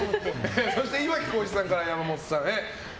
そして岩城滉一さんから山本さんへ。